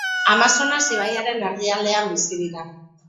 Amazonas ibaiaren erdialdean bizi dira.